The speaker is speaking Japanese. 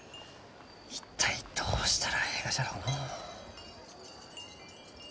一体どうしたらえいがじゃろうのう？